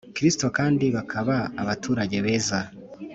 Kristo kand bakaba abaturage beza